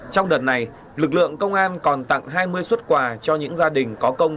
trong đợt này lực lượng công an còn tặng hai mươi xuất quà cho những gia đình có công